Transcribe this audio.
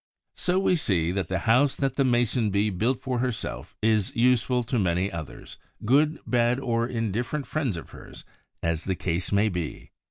So we see that the house that the Mason bee built for herself is useful to many others, good, bad, or indifferent friends of hers as the case may be.